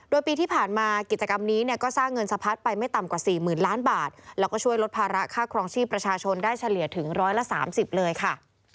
โดยปีที่ผ่านมากิจกรรมนี้เนี่ยก็สร้างเงินสะพัดไปไม่ต่ำกว่า๔๐๐๐ล้านบาทแล้วก็ช่วยลดภาระค่าครองชีพประชาชนได้เฉลี่ยถึงร้อยละ๓๐เลยค่ะ